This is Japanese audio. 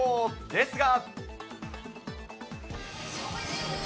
ですが。